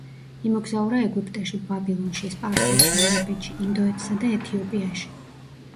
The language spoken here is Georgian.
იმოგზაურა ეგვიპტეში, ბაბილონში, სპარსეთში, არაბეთში, ინდოეთსა და ეთიოპიაში.